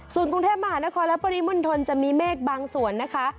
ส่วนกรุงเทพมหานครและปริมณฑลจะมีเมฆบางส่วนนะคะ